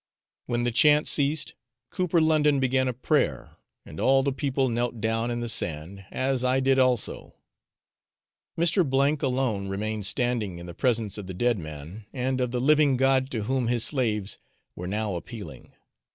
When the chant ceased, cooper London began a prayer, and all the people knelt down in the sand, as I did also. Mr. alone remained standing in the presence of the dead man, and of the living God to whom his slaves were now appealing.